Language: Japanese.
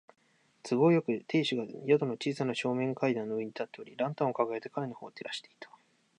都合よく、亭主が宿の小さな正面階段の上に立っており、ランタンをかかげて彼のほうを照らしていた。